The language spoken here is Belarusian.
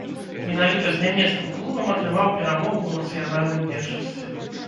Менавіта з нямецкім клубам атрымаў перамогу ў нацыянальным першынстве.